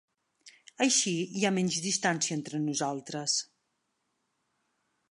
Així hi ha menys distància entre nosaltres.